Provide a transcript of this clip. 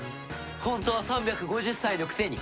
ホントは３５０歳のくせに。